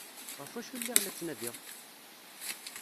Ɣef wacu i lliɣ la ttnadiɣ?